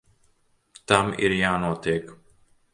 Tam ir jānotiek.